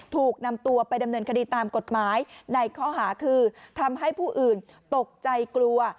ถูกนำตัวไปดำเนินคดีตามกฎหมายในข้อหาคือทำให้ผู้อื่นตกใจกลัว